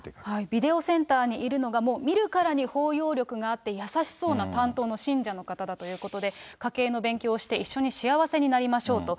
ビデオセンターにいるのが、もう見るからに包容力があって優しそうな担当の信者の方だということで、家系の勉強をして、一緒に幸せになりましょうと。